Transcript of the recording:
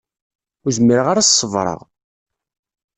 Ur zmireɣ ad s-ṣebreɣ.